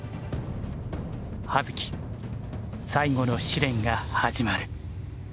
葉月最後の試練が始まる。